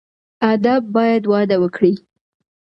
ادب باید وده وکړي